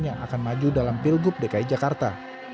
yang akan maju dalam pilgub dki jakarta